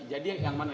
jadi yang mana